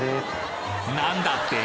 何だって？